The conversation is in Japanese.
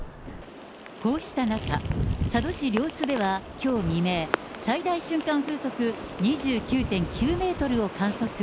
こうした中、佐渡市両津では、きょう未明、最大瞬間風速２９．９メートルを観測。